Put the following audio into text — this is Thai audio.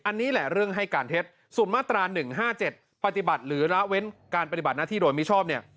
อันนี้แหละเรื่องให้การเท็จส่วนมาตรา๑๕๗ปฏิบัติหรือละเว้นการปฏิบัติหน้าที่โดยมิชอบเนี่ย